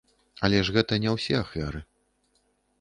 Але ж гэта не ўсе ахвяры.